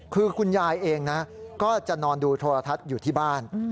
คือคุณยายเองนะก็จะนอนดูโทรทัศน์อยู่ที่บ้าน